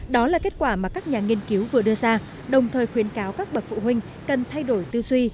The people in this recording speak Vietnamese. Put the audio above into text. đó là kết quả mà các nhà nghiên cứu vừa đưa ra đồng thời khuyến cáo các bậc phụ huynh cần thay đổi tư duy